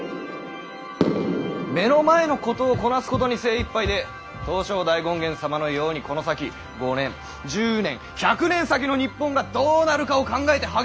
目の前のことをこなすことに精いっぱいで東照大権現様のようにこの先５年１０年１００年先の日本がどうなるかを考えて励んでる者が一人もいない。